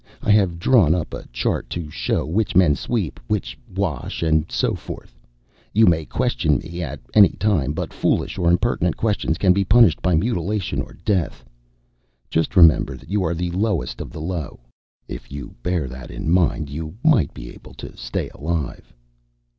I have drawn up a chart to show which men sweep, which wash, and so forth. You may question me at anytime; but foolish or impertinent questions can be punished by mutilation or death. Just remember that you are the lowest of the low. If you bear that in mind, you might be able to stay alive."